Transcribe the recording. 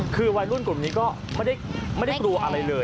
คือวัยรุ่นกลุ่มนี้ก็ไม่ได้กลัวอะไรเลย